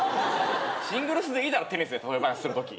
シングルスでいいだろテニスで例え話するとき。